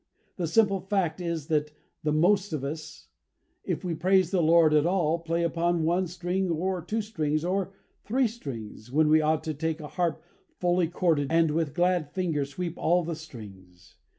The simple fact is that the most of us, if we praise the Lord at all, play upon one string or two strings, or three strings, when we ought to take a harp fully chorded, and with glad fingers sweep all the strings.